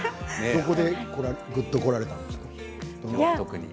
どこでぐっとこられたんですか。